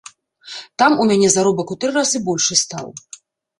Там у мяне заробак у тры разы большы стаў.